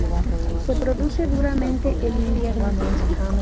Se reproduce durante el invierno.